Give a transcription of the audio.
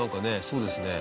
そうですね。